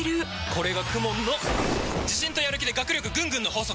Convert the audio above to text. これがＫＵＭＯＮの自信とやる気で学力ぐんぐんの法則！